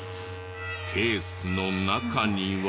ケースの中には。